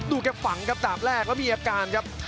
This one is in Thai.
แกฝังครับดาบแรกแล้วมีอาการครับ